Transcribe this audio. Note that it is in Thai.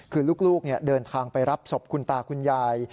คือลูกเดินทางไปรับศพคุณตาคุณยาย